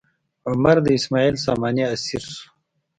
عمر د اسماعیل ساماني اسیر شو.